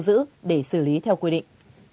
điều này sẽ được xử lý theo quy định